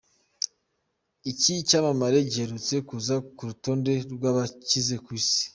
Iki cyamamare giherutse kuza ku rutonde rw’abakize ku isi.